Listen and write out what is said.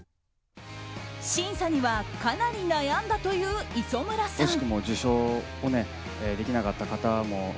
審査にはかなり悩んだという磯村さん。